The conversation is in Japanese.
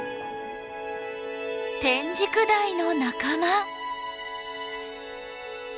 テンジクダイの仲間。